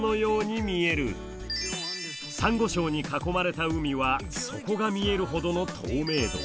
サンゴ礁に囲まれた海は底が見えるほどの透明度。